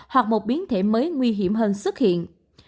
hoặc một biến thể mới nguy hiểm hơn xuất hiện